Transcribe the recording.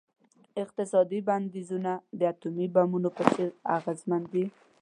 اقتصادي بندیزونه د اټومي بمونو په څیر اغیزمن دي.